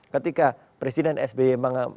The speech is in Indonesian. ketika presiden sby